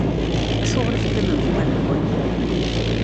Acuɣeṛ i teqqimemt iman-nkent?